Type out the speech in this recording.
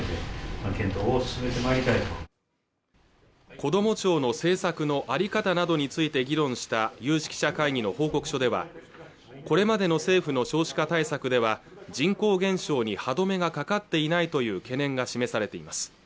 こども庁の政策の在り方などについて議論した有識者会議の報告書ではこれまでの政府の少子化対策では人口減少に歯止めがかかっていないという懸念が示されています